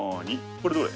これどれ？